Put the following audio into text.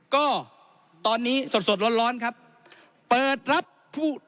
ก็ตอนนี้โรนร้อนครับเปิดรับปลูด